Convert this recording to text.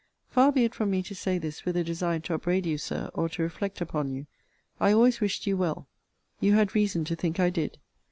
Far be it from me to say this with a design to upbraid you, Sir, or to reflect upon you. I always wished you well. You had reason to think I did.